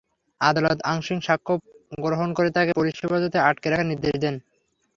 আদালত আংশিক সাক্ষ্য গ্রহণ করে তাঁকে পুলিশ হেফাজতে আটক রাখার নির্দেশ দেন।